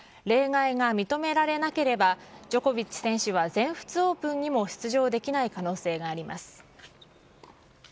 例外が認められなければ、ジョコビッチ選手は全仏オープンにも出場できない可能性があります。